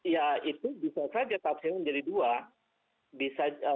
ya itu bisa saja tafsirnya menjadi dua